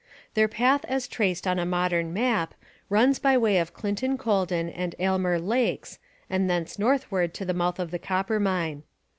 Their path as traced on a modern map runs by way of Clinton Colden and Aylmer lakes and thence northward to the mouth of the Coppermine.